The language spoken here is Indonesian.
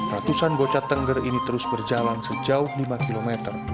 ratusan bocah tengger ini terus berjalan sejauh lima km